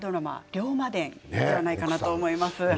「龍馬伝」でないかと思います。